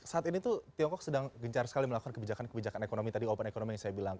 saat ini tuh tiongkok sedang gencar sekali melakukan kebijakan kebijakan ekonomi tadi open economy saya bilang